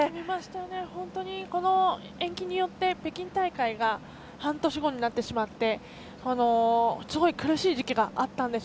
本当に、この延期によって北京大会が半年後になってしまってすごい苦しい時期があったんです。